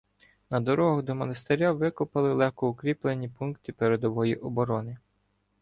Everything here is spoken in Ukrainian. На дорогах до монастиря викопали легко укріплені пункти передової оборони.